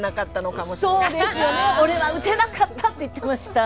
俺は打てなかったって言ってました。